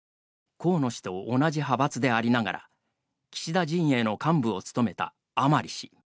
河野氏と同じ派閥でありながら岸田陣営の幹部を務めた甘利氏。